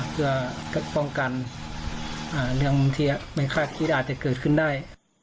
เพื่อป้องกันเรื่องที่ไม่คาดคิดอาจจะเกิดขึ้นได้